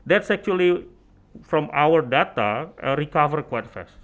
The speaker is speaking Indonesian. itu sebenarnya dari data kita mengembangkan dengan cepat